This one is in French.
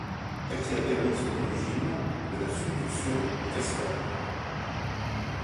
Elle tire également son origine de la subduction des Cascades.